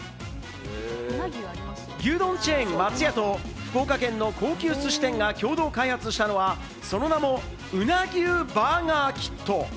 牛丼チェーン・松屋と福岡県の高級すし店が共同開発したのは、その名もＵＮＡＧＹＵＢＵＲＧＥＲＫＩＴ。